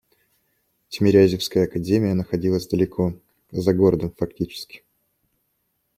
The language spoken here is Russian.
Тимирязевская академия находилась далеко, за городом фактически.